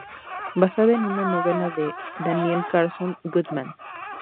Basada en una novela de Daniel Carson Goodman.